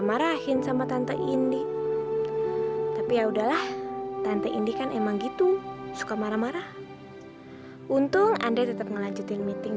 karena dia pasti mau morotin